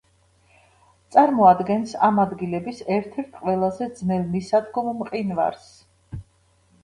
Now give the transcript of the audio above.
წარმოადგენს ამ ადგილების ერთ-ერთ ყველაზე ძნელმისადგომ მყინვარს.